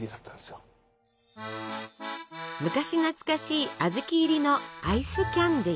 昔懐かしいあずき入りのアイスキャンデー。